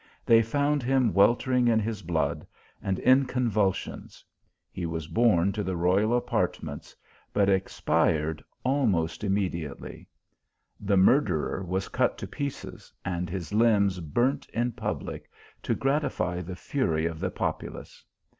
They found him weltering in his blood, and in con vulsions. He was borne to the royal apartments, but expired almost immediately. The murderer was cut to pieces, and his limbs burnt in public, to gratify the fury of the populace.